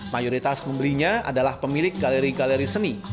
mayoritas membelinya adalah pemilik galeri galeri seni